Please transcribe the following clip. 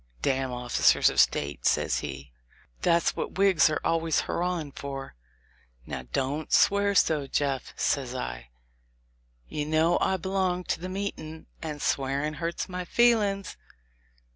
"Damn officers of State!" says he; "that's what Whigs are always hurrahing for." "Now, don't swear so, Jeff," says I; you know I belong to the meetin', and swearin' hurts my feel ings."